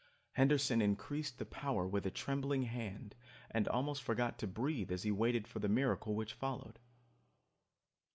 Henderson increased the power with a trembling hand and almost forgot to breathe as he waited for the miracle which followed.